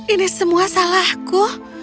ini semua salahku